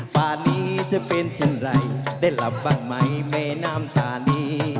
ป่านี้จะเป็นเช่นไรได้หลับบ้างไหมแม่น้ำตานี